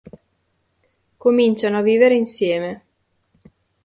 Cominciano a vivere insieme.